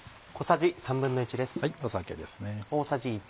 酒ですね。